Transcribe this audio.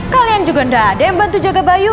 kalian juga tidak ada yang bantu jaga bayu